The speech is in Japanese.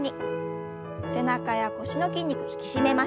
背中や腰の筋肉引き締めましょう。